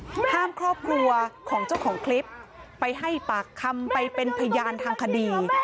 ห้ามครอบครัวของเจ้าของคลิปไปให้ปากคำไปเป็นพยานทางคดี